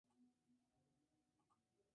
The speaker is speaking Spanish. Granada; Sierra Nevada; provincia de Málaga.